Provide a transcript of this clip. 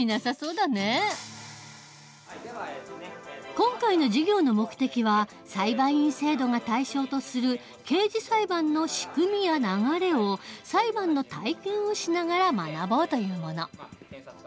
今回の授業の目的は裁判員制度が対象とする刑事裁判の仕組みや流れを裁判の体験をしながら学ぼうというもの。